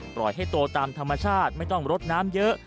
ปล่อยให้โตตามธรรมชาติไม่ต้องรดน้ำเยอะ